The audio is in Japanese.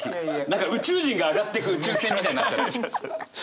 何か宇宙人が上がってく宇宙船みたいになっちゃって。